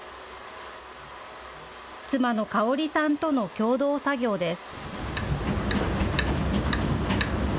妻のかおりさんとの共同作業です。